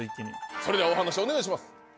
それではお話お願いします。